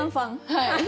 はい。